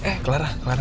eh eh clara